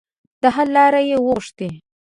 د حل لارې یې وغوښتې.